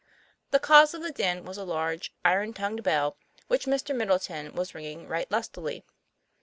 The cause of the din was a large, iron tongued bell, which Mr. Middleton was ringing right lustily.